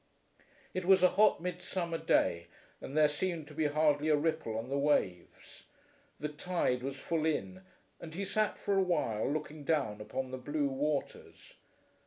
It was a hot midsummer day, and there seemed to be hardly a ripple on the waves. The tide was full in, and he sat for a while looking down upon the blue waters.